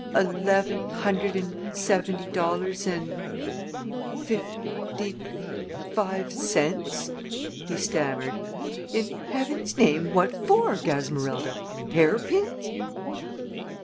"Eleven hundred and seventy dollars and fuf fifty fuf five cents?" he stammered. "In Heaven's name what for, Gasmerilda hairpins?"